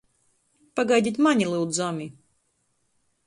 Pagaidit mani, lyudzami!